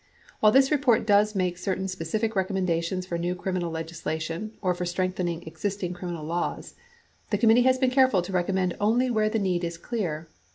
While this report does make certain specific recommendations for new criminal legislation or for strengthening existing criminal laws, the committee has been careful to recommend only where the need is clear.